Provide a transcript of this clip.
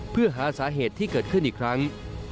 เพื่อหาสาเหตุที่เกิดขึ้นอีกครั้ง